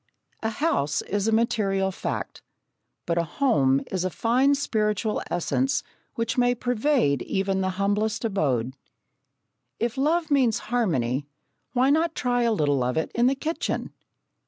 A house is a material fact, but a home is a fine spiritual essence which may pervade even the humblest abode. If love means harmony, why not try a little of it in the kitchen?